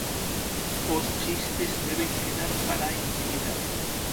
Os chistes deben quedar para a intimidade.